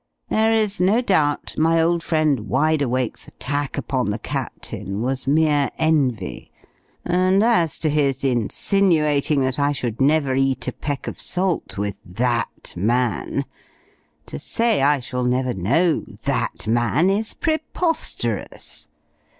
There is no doubt my old friend Wideawake's attack upon the Captain was mere envy; and as to his insinuating that I should never eat a peck of salt with that man to say I shall never know that man, is preposterous!